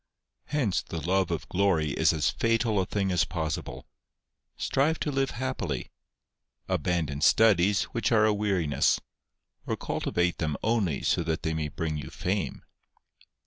Hence the love of glory is as fatal a thing as possible. Strive to live happily : abandon studies, which are a weariness ; or cultivate them only so that they may bring you fame.